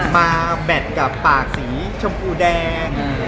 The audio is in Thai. มาแบตกับปากสีชมพูแดง